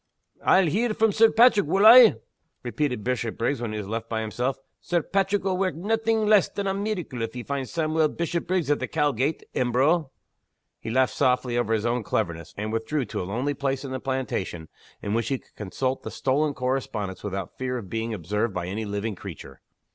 "I'll hear from Sir Paitrick, wull I?" repeated Bishopriggs when he was left by himself. "Sir Paitrick will wark naething less than a meeracle if he finds Sawmuel Bishopriggs at the Cowgate, Embro!" He laughed softly over his own cleverness; and withdrew to a lonely place in the plantation, in which he could consult the stolen correspondence without fear of being observed by any living creature.